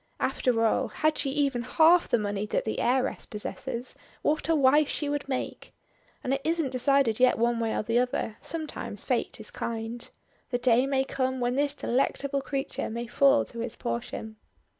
After all had she even half the money that the heiress possesses, what a wife she would make. And it isn't decided yet one way or the other; sometimes Fate is kind. The day may come when this delectable creature may fall to his portion.